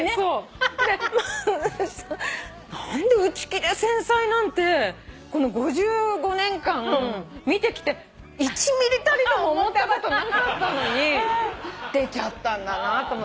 何で「内気で繊細」なんてこの５５年間見てきて１ｍｍも思ったことなかったのに出ちゃったんだなと思って。